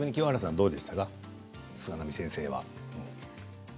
どうでしたか菅波先生は。